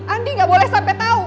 andi gak boleh sampe tau